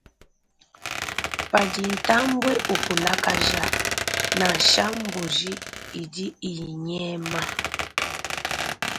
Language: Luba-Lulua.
Padi ntambwe ukulakaja, nansha mbuji idi inyema.